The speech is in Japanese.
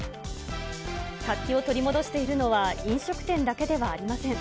活気を取り戻しているのは飲食店だけではありません。